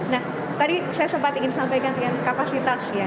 nah tadi saya sempat ingin sampaikan dengan kapasitas ya